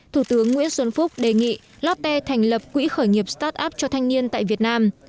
thủ tướng nguyễn xuân phúc đề nghị lotte thành lập quỹ khởi nghiệp start up cho thanh niên tại việt nam